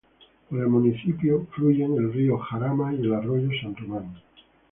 Por el municipio fluyen el río Jarama y el arroyo San Román.